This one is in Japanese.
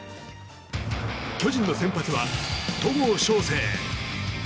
巨人の先発は戸郷翔征。